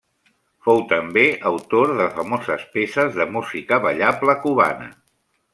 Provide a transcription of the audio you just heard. Fou també autor de famoses peces de música ballable cubana.